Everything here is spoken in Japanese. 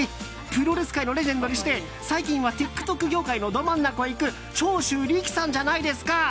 プロレス界のレジェンドにして最近はＴｉｋＴｏｋ業界のど真ん中を行く長州力さんじゃないですか？